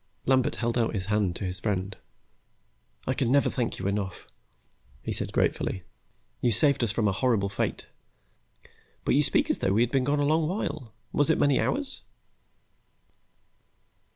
Lambert held out his hand to his friend. "I can never thank you enough," he said gratefully. "You saved us from a horrible fate. But you speak as though we had been gone a long while. Was it many hours?"